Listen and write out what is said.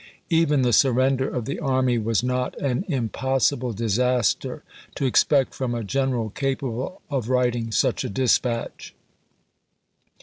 Even the sui'render of the army was not an impossible disaster to expect from a general capable of writing such a dispatch.